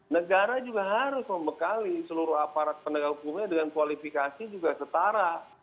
negara juga harus membekali seluruh aparat penegak hukumnya dengan kualifikasi juga setara